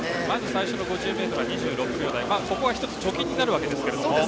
最初の５０ｍは２６秒台でここは１つ貯金になりますが。